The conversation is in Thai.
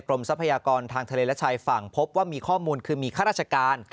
ทรัพยากรทางทะเลและชายฝั่งพบว่ามีข้อมูลคือมีข้าราชการ